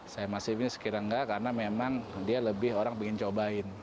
saya masih ini sekiranya enggak karena memang dia lebih orang ingin cobain